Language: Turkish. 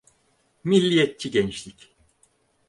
Milliyetçi gençlik.